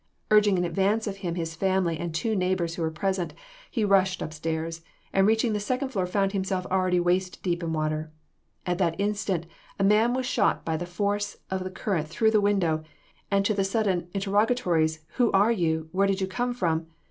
Urging in advance of him his family and two neighbors who were present, he rushed up stairs, and reaching the second floor found himself already waist deep in water. At that instant, a man was shot by the force of the current through the window, and to the sudden interrogatories, "Who are you? Where did you come from?"